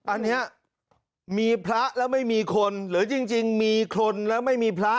อันนี้มีพระแล้วไม่มีคนหรือจริงมีคนแล้วไม่มีพระ